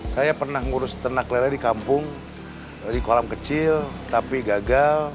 saya pernah ngurus ternak lele di kampung di kolam kecil tapi gagal